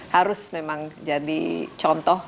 harus memang jadi contoh